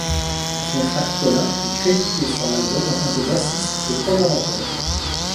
Son frère Colin est crédité sur l'album en tant que bassiste et programmateur.